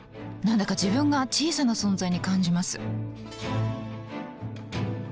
何だか自分が小さな存在に感じます。